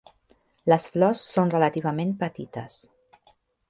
Les flors són relativament petites.